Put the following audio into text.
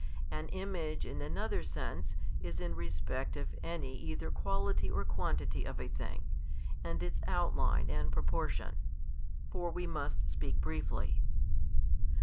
An image in another sense, is in respect of any either quality or quantity of a thing, and its outline and proportion: for we must speak briefly.